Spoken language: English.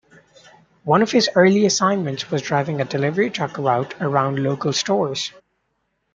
One of his early assignments was driving a delivery-truck route around local stores.